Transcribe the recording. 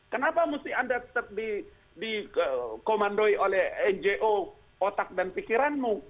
kenapa mesti anda tetap dikomandoi oleh njo otak dan pikiranmu